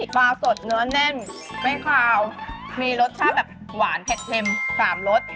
ปลาสดเนื้อแน่นไม่คาวมีรสชาติแบบหวานเผ็ดเค็มสามรส